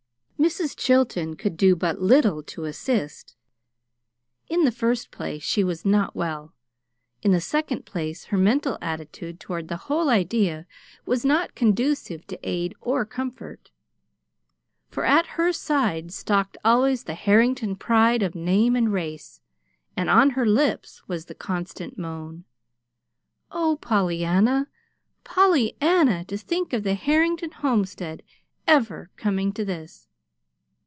Mrs. Chilton could do but little to assist. In the first place she was not well. In the second place her mental attitude toward the whole idea was not conducive to aid or comfort, for at her side stalked always the Harrington pride of name and race, and on her lips was the constant moan: "Oh, Pollyanna, Pollyanna, to think of the Harrington homestead ever coming to this!"